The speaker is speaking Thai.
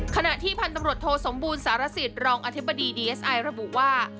ขณะที่พันธุ์ตำรวจโทสมบูรณสารสิตรองอธิบดีดีเอสไอระบุว่า